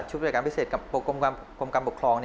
ชุดพยาบาลการณ์พิเศษกับกรมกำปกครอง